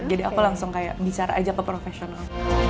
jadi aku langsung kayak bicara aja ke profesional